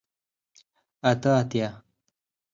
اته اتیا